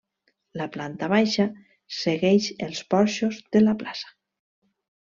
La planta baixa segueix els porxos de la plaça.